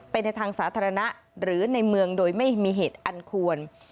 ในทางสาธารณะหรือในเมืองโดยไม่มีเหตุอันควร